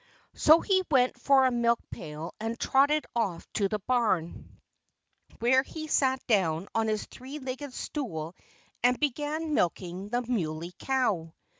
So he went for a milk pail and trotted off to the barn, where he sat down on his three legged stool and began milking the Muley Cow.